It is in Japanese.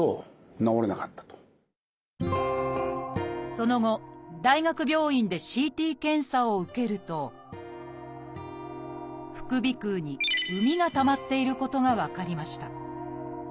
その後大学病院でＣＴ検査を受けると副鼻腔に膿がたまっていることが分かりました。